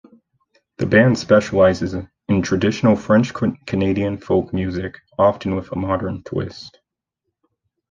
The band specializes in traditional French Canadian folk music, often with a modern twist.